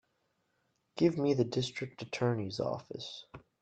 Give me the District Attorney's office.